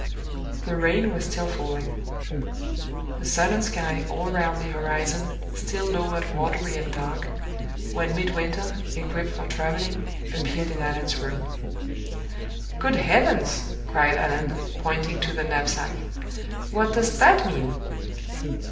The rain was still falling. The sullen sky, all round the horizon, still lowered watery and dark, when Midwinter, equipped for traveling, appeared in Allan's room. "Good heavens!" cried Allan, pointing to the knapsack, "what does that mean?"